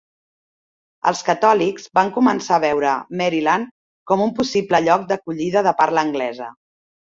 Els catòlics van començar a veure Maryland com un possible lloc d'acollida de parla anglesa.